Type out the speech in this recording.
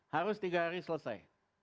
harus tiga hari selesai